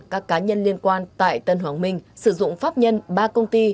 các cá nhân liên quan tại tân hoàng minh sử dụng pháp nhân ba công ty